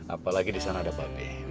apalagi disana ada babe